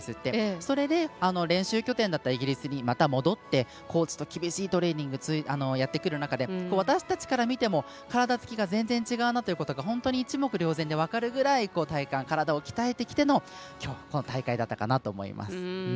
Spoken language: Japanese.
それで、練習拠点だったイギリスに、また戻ってコーチと厳しいトレーニングをやってくる中で私たちから見ても体つきが全然違うなというのが本当に一目瞭然で分かるくらい体を鍛えてのきょうの大会だったと思います。